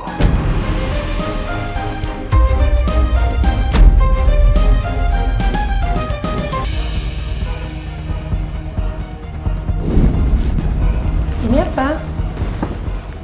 oh memang dapet